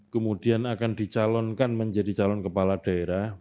kemudian akan dicalonkan menjadi calon kepala daerah